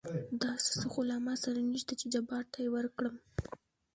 داسې څه خو له ما سره نشته چې جبار ته يې ورکړم.